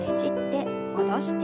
戻して。